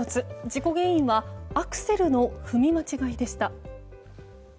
事故原因はアクセルの踏み間違いでした。